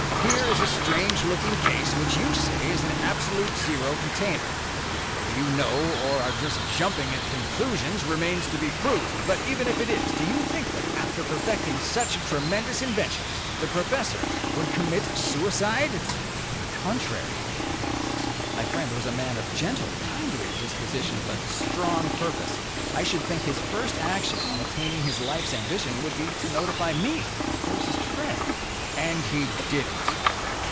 Here is a strange looking case which you say is an absolute zero container. Whether you know, or are just jumping at conclusions, remains to be proved. But even if it is, do you think that, after perfecting such a tremendous invention, the professor would commit suicide?" "On the contrary," I gasped, "my friend was a man of gentle, kindly disposition, but strong purpose. I should think his first action on attaining his life's ambition would be to notify me, his closest friend." "And he didn't."